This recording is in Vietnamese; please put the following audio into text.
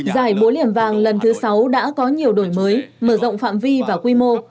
giải búa liềm vàng lần thứ sáu đã có nhiều đổi mới mở rộng phạm vi và quy mô